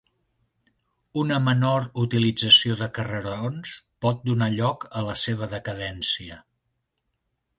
Una menor utilització de carrerons pot donar lloc a la seva decadència.